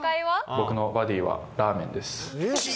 僕のバディはラーメンです。